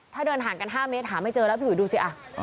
ถ้าเดินห่างกัน๕เมตรหาไม่เจอแล้วพี่อุ๋ยดูสิ